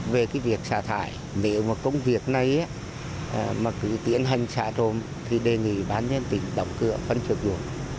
về việc xả thải nếu công việc này mà cứ tiễn hành xả tồn thì đề nghị bán nhân tỉnh đọc cửa phân trực vụ